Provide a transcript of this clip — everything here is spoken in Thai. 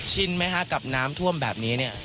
ไหมคะกับน้ำท่วมแบบนี้เนี่ย